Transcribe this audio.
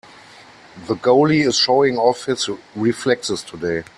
The goalie is showing off his reflexes today.